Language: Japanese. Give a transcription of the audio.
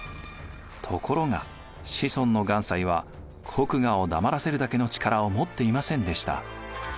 ところが子孫の願西は国衙を黙らせるだけの力を持っていませんでした。